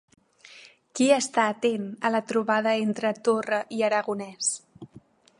Qui està atent a la trobada entre Torra i Aragonès?